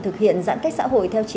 dịch bệnh là thách thức